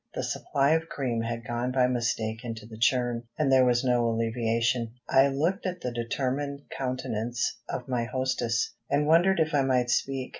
The supply of cream had gone by mistake into the churn, and there was no alleviation. I looked at the determined countenance of my hostess, and wondered if I might speak.